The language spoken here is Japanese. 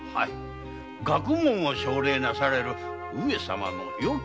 学問を奨励なされる上様のよきご配慮かと。